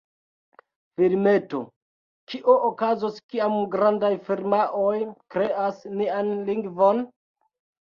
Filmeto: 'Kio okazos kiam grandaj firmaoj kreas nian lingvon?